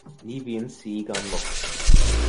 Ní bhíonn saoi gan locht